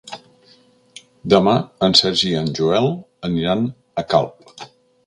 Demà en Sergi i en Joel aniran a Calp.